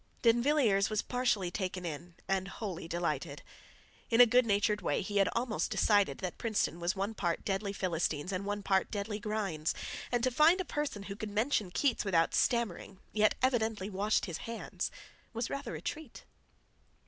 D'Invilliers was partially taken in and wholly delighted. In a good natured way he had almost decided that Princeton was one part deadly Philistines and one part deadly grinds, and to find a person who could mention Keats without stammering, yet evidently washed his hands, was rather a treat.